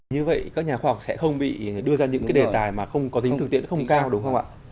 như vậy các nhà khoa học sẽ không bị đưa ra những cái đề tài mà không có tính thực tiễn không cao đúng không ạ